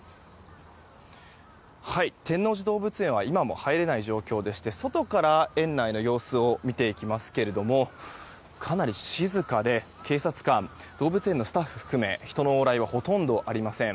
天王寺動物園は今も入れない状況でして外から園内の様子を見ていきますがかなり静かで警察官、動物園のスタッフ含め人の往来はほとんどありません。